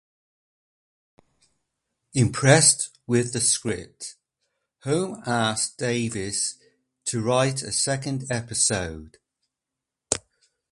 Impressed with the script, Home asked Davies to write a second episode.